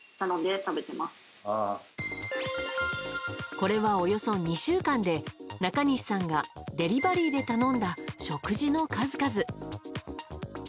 これは、およそ２週間で中西さんがデリバリーで頼んだ食事の数々。